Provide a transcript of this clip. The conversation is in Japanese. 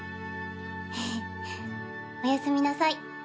ヘヘおやすみなさい。